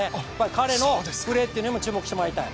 彼のプレーにも注目してもらいたい。